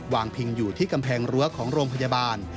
พิงอยู่ที่กำแพงรั้วของโรงพยาบาล